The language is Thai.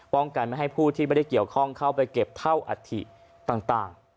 กันไม่ให้ผู้ที่ไม่ได้เกี่ยวข้องเข้าไปเก็บเท่าอัฐิต่าง